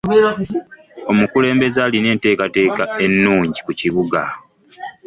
Omukulembeze alina enteekateeka ennungi ku kibuga.